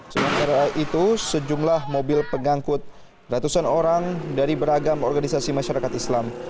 sementara itu sejumlah mobil pengangkut ratusan orang dari beragam organisasi masyarakat islam